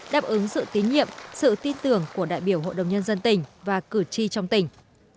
đáp ứng sự tín nhiệm sự tin tưởng của đại biểu hội đồng nhân dân tỉnh và cử tri trong tỉnh